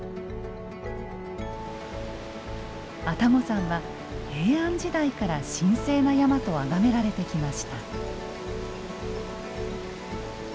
愛宕山は平安時代から神聖な山とあがめられてきました。